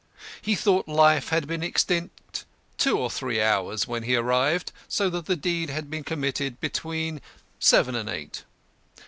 He thought life had been extinct two or three hours when he arrived, so that the deed had been committed between seven and eight.